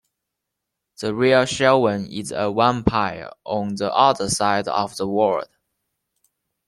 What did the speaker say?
The real Shevaun is a vampire on the other side of the world.